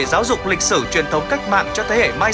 gửi tới lớp lớp các thế hệ cha anh đi trước